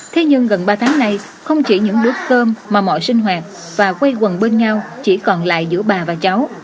thế nhưng gần ba tháng nay không chỉ những đứa cơm mà mọi sinh hoạt và quay quần bên nhau chỉ còn lại giữa bà và cháu